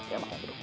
oke makan kerupuk